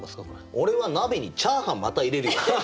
俺は鍋にチャーハンまた入れるよ。